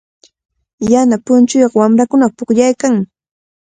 Yana punchuyuq wamrakunaqa pukllaykanmi.